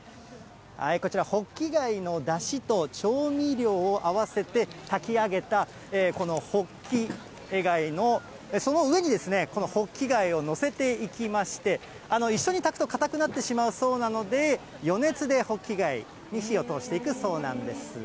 こちら、ホッキ貝のだしと調味料を合わせて、炊き上げた、このホッキ貝のその上に、このホッキ貝を載せていきまして、一緒に炊くと硬くなってしまうそうなので、余熱でホッキ貝に火を通していくそうなんです。